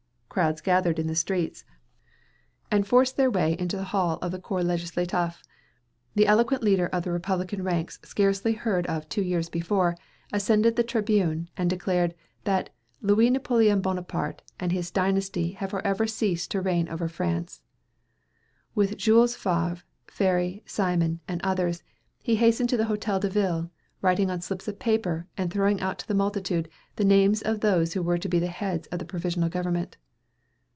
Crowds gathered in the streets, and forced their way into the hall of the Corps Legislatif. Then the eloquent leader of the Republican ranks, scarcely heard of two years before, ascended the Tribune, and declared that, "Louis Napoleon Bonaparte and his dynasty have forever ceased to reign over France." With Jules Favre, Ferry, Simon, and others, he hastened to the Hotel de Ville, writing on slips of paper, and throwing out to the multitude, the names of those who were to be the heads of the provisional government.